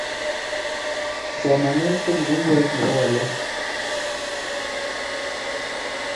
Somanet ko kifunguet nebo walet